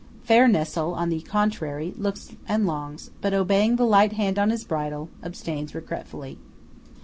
Fair Nessol, on the contrary, looks and longs; but, obeying the light hand on his bridle, abstains regretfully.